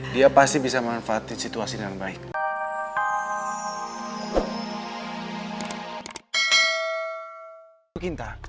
dia pasti bisa memanfaatkan situasi dengan baik